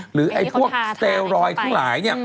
หรือพวกสเตลรอยทุกหลาย